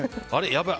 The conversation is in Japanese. やばい。